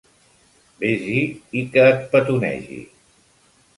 Ves-hi i que et petonegi.